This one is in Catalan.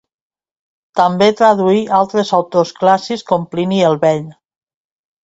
També traduí altres autors clàssics com Plini el Vell.